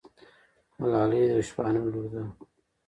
ملالۍ د یوه شپانه لور ده.